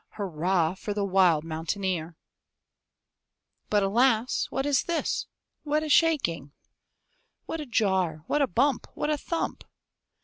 Hurrah, for the wild mountaineer! But, alas! what is this? what a shaking! What a jar! what a bump! what a thump!